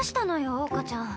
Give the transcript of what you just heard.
桜花ちゃん。